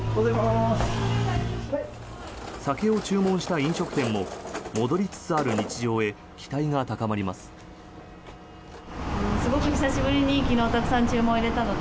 酒を注文した飲食店も戻りつつある日常へ期待が高まります。